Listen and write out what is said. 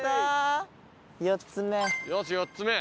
４つ目。